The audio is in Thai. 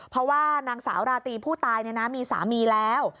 เพราะว่านางสาวราตรีผู้ตายมีสามีแล้ว